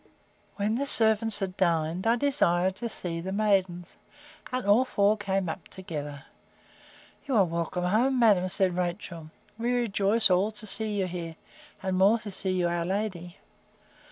When the servants had dined, I desired to see the maidens; and all four came up together. You are welcome home, madam, said Rachel; we rejoice all to see you here, and more to see you our lady.